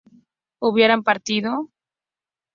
¿hubiera partido?